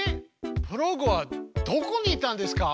プログはどこに行ったんですか？